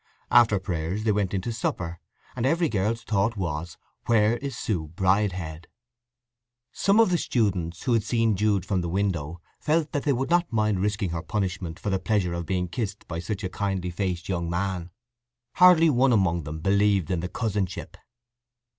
After prayers they went in to supper, and every girl's thought was, Where is Sue Bridehead? Some of the students, who had seen Jude from the window, felt that they would not mind risking her punishment for the pleasure of being kissed by such a kindly faced young man. Hardly one among them believed in the cousinship.